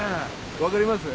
分かります？